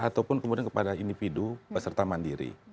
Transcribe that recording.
ataupun kemudian kepada individu peserta mandiri